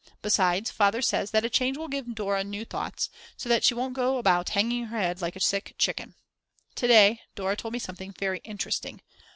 Besides, Father says that a change will give Dora new thoughts, so that she won't go about hanging her head like a sick chicken. To day Dora told me something very interesting.